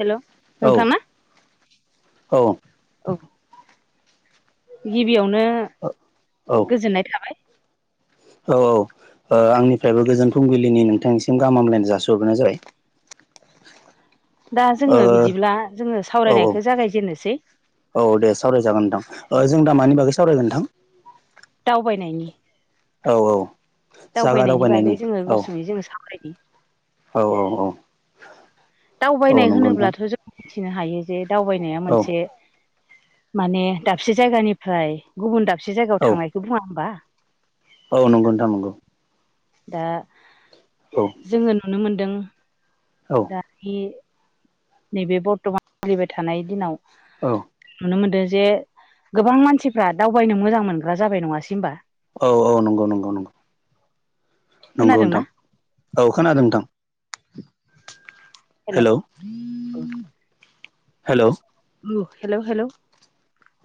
हेल' औ नोंथां ना औ औ गिबियावनो गोजोननाय थाबाय औ औ ओ आंनिफ्रायबो गोजोन फुंबिलिनि नोंथांनिसिम गाहाम हामलायनाय जासिहरग्रोनाय जाबाय दा जोङो ओ बिदिब्ला जोङो औ सावरायनायखौ जागायजेननोसै औ दे सावरायजागोन नोंथां जों दामानि बागै सावरायगोन नोंथां दाउबायनायनि औ औ जागा दावबायनायनि बागै जोङो औ गुसुङै जोङो सावरायनि औ औ औ दावबायनाय नंगौ नोंथां होनोब्लाथ' जों मिथिनो हायो जे दावबायनाया औ मोनसे माने दाबसे जायगानिफ्राय गुबुन दाबसे जायगायाव औ थांनायखौ बुङा होमबा औ नंगौ नोंथां नंगौ दा औ जोङो नुनो मोनदों औ दानि नैबे बर्थमान सोलिबाय थानाय दिनाव औ नुनो मोनदों जे गोबां मानसिफ्रा दावबायनो मोजां मोनग्रा जाबाय नङासै होनबा औ औ नंगौ नंगौ नंगौ नंगौ खोनादोंना नोंथां औ खोनादों नोंथां [unintelligible] [inaudible] हेल' औ हेल' हेल' हेल'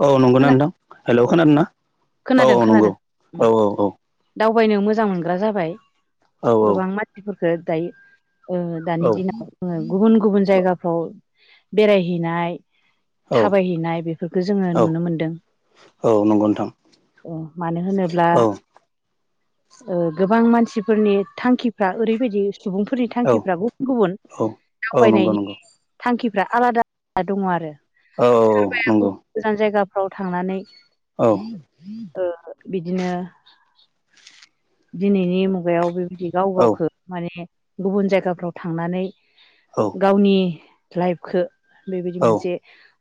औ नंगौना नोंथां हेल' खोनादोंना औ खोनादों औ खोनादों नंगौ उम औ औ औ दावबायनो मोजां मोनग्रा जाबाय औ गोबां मानसिफोरखौ दायो ओ दानि दिनाव गुबुन गुबुन जायगाफ्राव बेरायहैनाय औ थाबायहैनाय बेफोरखौ जोङो औ नुनो मोनदों औ नंगौ नोंथां औ मानो होनोब्ला औ ओ गोबां मानसिफोरनि थांखिफ्रा ओरैबायदि सुबुंफोरनि औ थांखिफ्रा गुबुन गुबुन औ औ नंगौ दावबायनायनि नंगौ थांखिफ्रा आलादा दङ आरो औ औ सोरबाया नंगौ गोजान जायगाफ्राव थांनानै औ बिदिनो दिनैनि म माबायाव बेबायदि गाव औ गावखौ माने गुबुन जायगाफ्राव थांनानै गावनि लाइफखौ बेबायदि औ मोनसे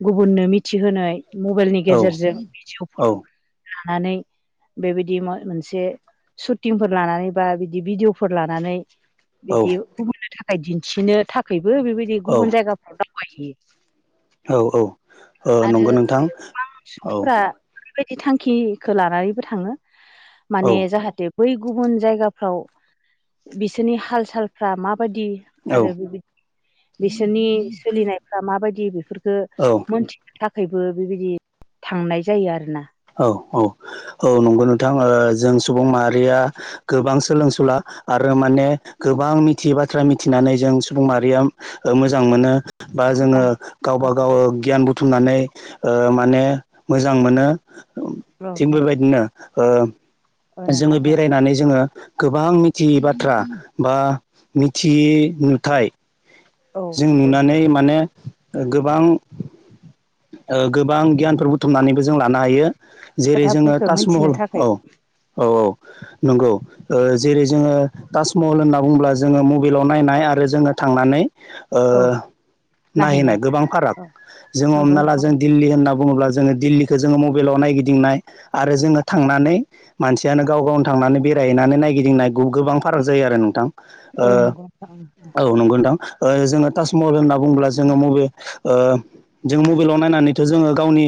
गुबुननो मिथिहोनाय मबाइलनि औ गेजेरजों भिडिय'फोर लानानै - बेबायदि मोनसे शुटिंफोर लानानै बा बिदि भिडिअफोर लानानै बिदि गुबुननि थाखाय दिन्थिनो थाखबो बेबायदि गुबुन जायगाफ्राव दावबायहैयो औ औ आरो नंगौ नोंथां औ। सुबुंफोरा बेबायदि थांखिखौ लानानैबो थाङो औ माने जाहाथे बै गुबुन जायगाफ्राव बिसोरनि हाल सालफ्रा मा माबायदि औ आरो बिसोरनि सोलिनायफ्रा माबायदि बेफोरखौ मोनथिनो थाखायबो बेबायदि थांनाय जायो आरोना। औ औ औ नंगौ नोंथां जों सुबुं माहारिया गोबां सोलोंसुला आरो माने गोबां मिथियै बाथ्रा मिथिनानै जों सुबुं माहारिया मोजां मोनो। बा मोजां जोङो गावबा गाव मोन गियान बुथुमनानै माने मोजां मोनो। औ थिग बेबायदिनो औ नोंथां जोङो औ बेरायनानै जोङो गोबां मिथियै बाथ्रा बा मिथियै नुथाय औ जों नंगौ नुनानै नोंथां माने गोबां गोबां गियानफोर बुथुमनानैबो जों लानो हायो। जेरै जोङो खोथाफोरखौ मिथिनो ताजमहल थाखाय औ औ औ। नंगौ जेरै जोङो ताजमहल होनना बुङोब्ला जोङो मबाइलाव नायनाय आरो जोङो थांनानै औ नायहैनाय नायहैनाय गोबां फाराग औ जों नंगौ हमना ला नोंथां जों दिल्ली होन होनना बुङोब्ला जोङो दिल्लीखौ जोङो मबाइलाव नायगिदिंनाय आरो जोङो थांनानै मानसियानो गाव गावनि थांनानै बेरायहैनानै नायगिदिंनायखौ गोबां फाराग जायो आरो नोंथां। औ नंगौ नोंथां औ नंगौ नोंथां। जोङो टास मबेल होनना बुङोब्ला जोङो मबे जों मबाइलाव नायनानैथ' जोङो गावनि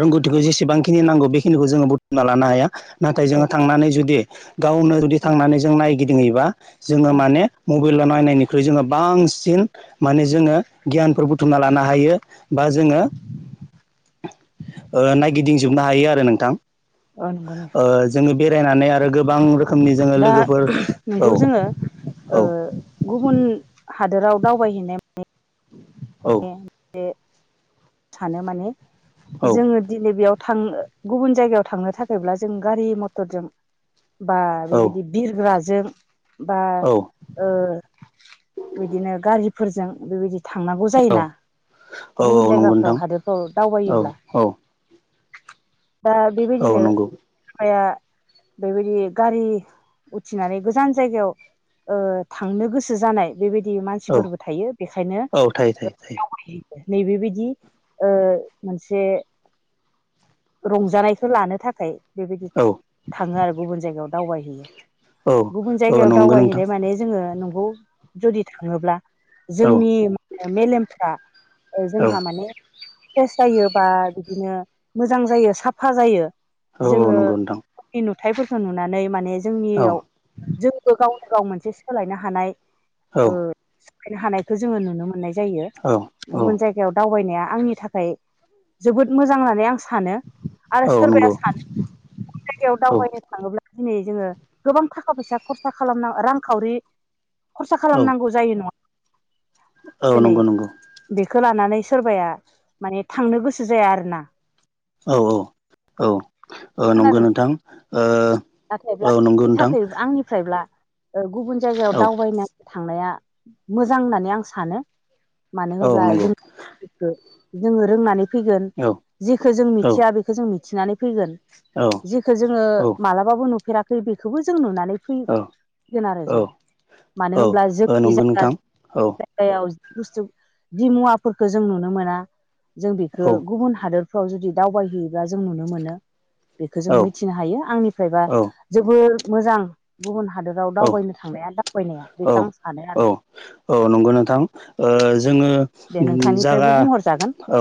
रोंगौथिखौ जेसेबांखिनि नांगौ बेखिनिखौ जोङो बुथुमना लानो हाया। नाथाय जोङो औ थांनानै जुदि गावनो जुदि औ थांनानै जों नायगिदिंङैबा। जोङो माने मबाइलाव नायनायनिख्रुइ जोङो बांसिन माने जोङो गियानबो बुथुमना लानो हायो बा जोङो नायगिदिंजोबनो हायो आरो नोंथां। गनायखा ओ जोङो बेरायनानै आरो गोबां रोखोमनि जोङो दा लोगोफोर औ नंगौ जोङो औ गुबुन हादोराव दावबायहैनाय औ सानो माने औ जोङो दिनै बेयाव थां गुबुन जायगायाव थांनो थाखायब्ला जों गारि मटरजों बा औ बेबायदि बिरग्राजों बा औ बिदिनो गारिफोरजों बेबायदि थांनानै औ जायोना औ गुबुन नंगौ जायगाफ्राव नोंथां हादोरफ्राव औ दावबायोब्ला औ दा औ बेबायदिनो नंगौ हवाया बेबायदि गारि उथिनानै गोजान जायगायाव। थांनो गोसो जानाय बेबायदि मानसिफोरबो थायो बेखायनो। थ थायो। नैबेबायदि मोनसे। रंजानायखौ लानो थाखाय बेबायदि थाङो आरो गुबुन जायगायाव दावबायहैयो। औ गुबुन औ जायगायाव नंगौ नोंथां दावबायहैनाय माने जोङो न जुदि थाङोब्ला औ जोंनि मेलेमफ्रा औ जोंहा माने फ्रेस जायो बा बिदिनो मोजां जायो साफा जायो। औ जोङो नंगौ नोंथां गावनि नुथायफोरखौ नुनानै माने औ जोंनियाव जोंबो गावनि गाव मोनसे सोलायनो हानाय औ ओ सोलायनो हानायखौ जोङो नुनो मोननाय जायो औ औ गुबुन जायगायाव दावबायनाया आंनि थाखाय जोबोद मोजां होननानै आं सा सानो आरो औ सोरबाया नंगौ सानो गुबुन जायगायाव औ दावबायनो थाङोब्ला दिनै जोङो गोबां थाखा फैसा खरसा खालामना रांखावरि खरसा औ खालामनांगौ जायो नङा औ दिनै नंगौ नंगौ बेखौ लानानै नानै सोरबाया माने थांनो गोसो जाया आरोना औ औ औ औ खोनादों नंगौ नोंथां ओ नाथायब्ला औ नंगौ आंनि नोंथां थाखाय आंनिफ्रायब्ला गुबुन जायगायाव औ दावबायनो थांनाया मोजां होननानै आं सानो मानो औ होनोब्ला नंगौ जों जोङो रोंनानै फैगोन औ जिखौ जों औ मिथिया बेखौ जों मिथिनानै फैगोन जिखौ जोङो मालाबाबो नुफेराखै बेखौबो जों नुनानै औ फैगोन आरो जोङो मानो होनब्ला ओ जोंनि नंगौ जायग नोंथां औ जायगायाव बुस्थु जिमुवाफोरखौ जों नुनो मोना जों औ बेखौ गुबुन हादोर फ्राव जुदि दावबायहैयोबा जों नुनो मोनो बेखौ जों औ औ मिथिनो हायो आंनिफ्रायबा जोबो मोजां गुबुन हादोराव दावबायनो थांनाया दा औ औ औ नंगौ नोंथां ओ जोङो दे जागा नोंथांनिफ्रायबो बुंहरजागोन औ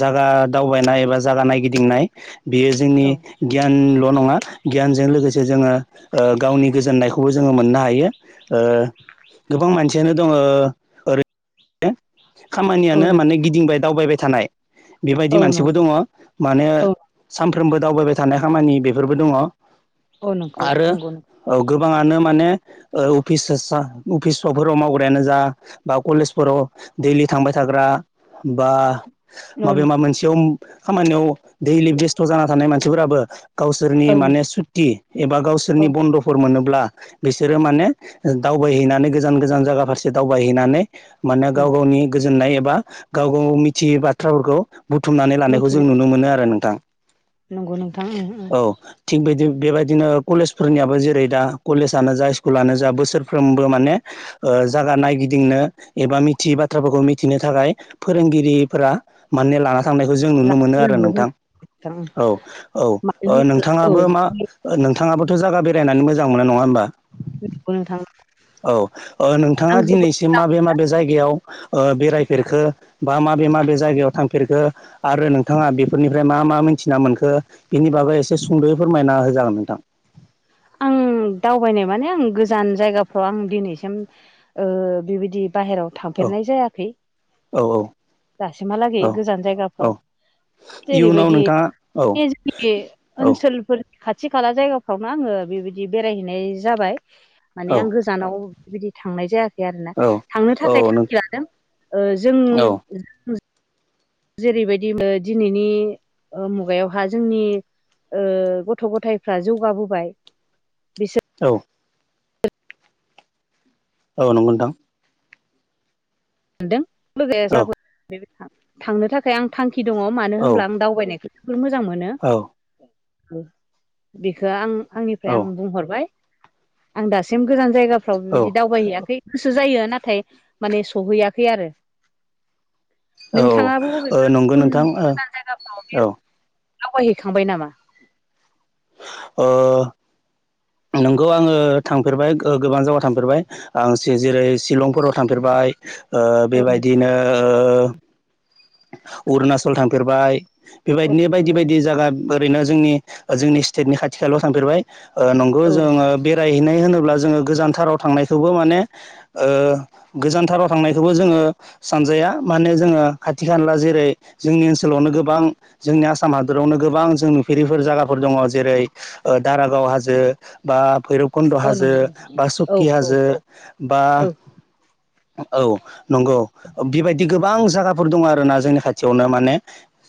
जागा दावबाय बा जायगा नायगिदिंनाय बेयो जोंनि औ गियानिल' नङा गियानजों लोगोसे जोङो ओ गावनि गोजोन्नायखौबो जोङो मोननो हायो ओ गोबां मानसियानो दङ ओरै खामानियानो माने गिदिंबाय दावबाय थानाय बेबायदि औ नों औ नंगौ मानसिबो दङ नोंथां माने औ सामफ्रा फ्रोमबो दावबाय थानाय खामानि बेफोरबो दङ औ नोंगौ आरो नंगौ औ गोबाङानो माने औ अफिस अफिसफोराव मावग्रायानो जा बा कलेजफोराव दैलि थांबाय थाग्रा बा माबे मा नंगौ मोनसेयाव खामानियाव दैलि बेस्थ' जाना थानाय मानसिफोराबो गावसोरनि औ माने सुक्ति एबा नंगौ गावसोरनि औ बन्द'फोर मोनोब्ला बिसोरो माने दावबायहैनानै गोजान गोजान जायगा फारसे दावबायहैनानै माने गाव उम गावनि गोजोननाय एबा गाव गाव मिथियै बाथ्राफोरखौ बुथुमनानै लानायखौ जों मोनथिनो नुनो मोनो आरो नों नंगौ नोंथां उम उम औ थिग बिदि बेबायदिनो कलेजफोरनियाबो जेरै दा कलेजनो जा स्कुलानो जा जा बोसोरफ्रोमबो माने ओ जागा नायगिदिंनो एबा मिथियै बाथ्राफोरखौ मिथिनो थाखाय फोरोंगिरिफोरा माने लाना थांनायखौ जों नुनो मोनो आरो नोंथां औ औ मानो ओ होनोब्ला औ नोंथाङाबो मा नोंथाङाबोथ' जागा बेरायनानै मोजां मोजां मोनो नङा होमबा नंगौ नोंथां औ नोंथाङा आं दिनैसिम जोबोद माबे माबे जायगायाव ओ बेरायफेरखो बा माबे माबे जायगायाव थांफेरखो आरो नोंथाङा बेफोरनिफ्राय मा मा मोन थिना मोनखो बिनि बागै एसे सुंद'यै फोरमायना होजागोन नोंथां आं दावबायनाय माने आं गोजान जायगाफ्राव आं दिनैसिम ओ बेबायदि बाहेराव औ थांफेरनाय जायाखै औ दासिमहालागै औ गोजान जायगाफ्राव औ इयुनाव जेरैबायदि नोंथाङा औ जोंनि औ ओनसोलफोर खाथि खाला जायगाफ्रावनो आङो बेबायदि बेरायहैनाय जाबाय माने औ आं गोजानाव बेबायदि थांनाय जायाखै आरोना औ थांनो थाखाय औ नों थांखि लादों औ जों जेरैबायदि दिनैनि मुगायावहा जोंनि ओ गथ' गथायफ्रा जौगाबोबाय बि औ औ नंगौ नोंथां। औ सान्दों थांनो थाखाय आं थांखि दङ मानो औ होनब्ला आं दावबायनायखौ जोबोर मोजां मोनो। बेखौ आं आंनिफ्राय आं बुंहरबाय। आं दासिम गोजान जायगाफ्राव औ बिबायदि दावबायहैयाखै। गोसो जायो नाथाय माने सहैयाखै आरो नोंथाङाबो ओ बबेबा नंगौ गुबुन नोंथां गोजान जायगाफ्राव ओ बेरायनो दावबायहैखांबाय नामा? ओ नोंगौ आङो थांफेरबाय गो-गोबां जायगायाव थांफेरबाय। आं शि जेरै शिलंफोराव थांफेरबाय। बाइक औ नंगौ बेबायदिनो अरुनााचल थांफेरबाय औ बेबायदिनो बायदि नंगौ बायदि नोंथां जायगा ओरैनो जोंनि जोंनि स्टेटनि खाथि खाल' थांफेरबाय। ओ नंगौ औ जोङो बेराय हैनाय होनोब्ला जोङो गोजानथाराव थांनायखौबो माने गोजानथाराव थांनायखौबो जोङो सानजाया। माने जोङो खाथि- खाला जेरै जोंनि ओनसोलावनो गोबां जोंनि आसाम हादरावनो गोबां जों नुफेरिफोर जायगाफोर दङ। जेरै दारागाव हाजो बा भैरबकुन्द' औ हाजो, नंगौ नोंथां बा औ सुक्कि हाजो, औ बा औ औ नंगौ बेबायदि गोबां जायगाफोर दं आरोना जोंनि खाथियावनो माने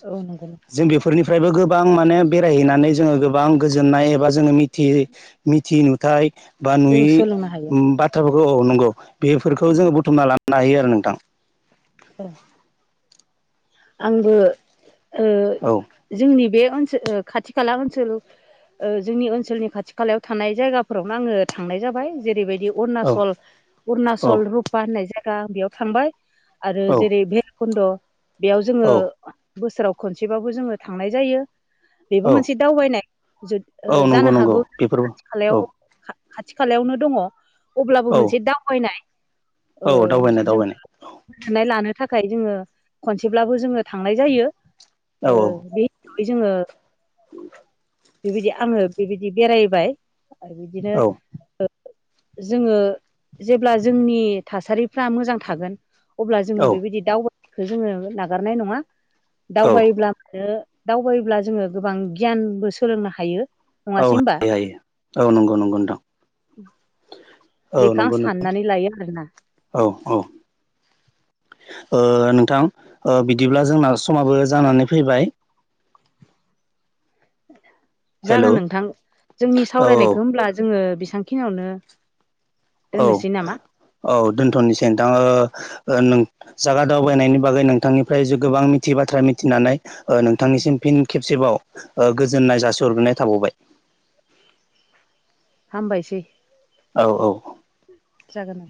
औ नंगौ जों बेफोरनिफ्रायबो गोबां माने बेरायहैनानै जोङो गोबां गोजोननाय एबा जोङो मिथियि एबा मिथि नु थाय बा जों नुयि सोलोंनो हायो बाथ्राफोरखौ औ नंगौ बेफोरखौ जोङो बुथुमना लानो नायो आरो नोंथां। औ। आंबो ओ औ जोंनि बे ओनसोल खाथि- खाला ओनसोल जोंनि ओनसोलनि खाथि- खालायाव थानाय जायगाफोरावनो आङो थांनाय जाबाय जेरैबायदि बे औ अरुणाचल औ अ‌रुणाचल रुपा होननाय जायगा बेयाव थांबाय। आरो जेरै- औ भैरबखुन्द' बेयाव जोङो बोसोराव खनसेबाबो जोङो थांनाय जायो। बेबो औ मोनसे दावबायनाय औ नंगौ जानो नंगौ हागौ बेफोरबो खाथि- औ खालायाव खाथि खालायावनो दङ। अब्लाबो औ मोनसे दावबायनो औ दावबायनाय दावबायनाय औ। गोजोननाय लानो थाखाय जोङो खनसेब्लाबो जोङो थांनाय जायो। औ बे हिसाबै जोङो बेबायदि आङो बेबायदि बेरायबाय आरो बिदिनो जोङो जेब्ला जोंनि थासारिफ्रा मोजां थागोन अब्ला जोङो औ औ बेबायदि दावबायनायखौ जोङो नागारनाय नङा। औ दावबायोब्लाबो दावबायोब्ला जोङो गोबां गियानबो सोलोंनो हायो। औ नङासै होमबा हायो हायो औ नंगौ नंगौ नोंथां। औ बेखौ आं नंगौ नोंथां साननानै लायो आरोना औ औ। ओ नोंथां बिदिब्ला जोंना समाबो जानानै फैबाय हेल' औ जागोन नोंथां। जोंनि औ सावरायनायखौ होमब्ला जोङो बेसेबांखिनिआवनो औ दोननोसै नामा? औ दोनथ'नोसै नोंथां। ओ जायगा दावबायनायनि बागै नोंथांनि फ्राय जे गोबां मिथियै बाथ्रा मिथिनानै नोंथांनिसिम फिन खेब सेबाव गोजोननाय जासिहरग्रोनाय थाबावबाय। हामबायसै। औ औ। जागोन।